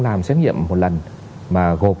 làm xét nghiệm một lần mà gộp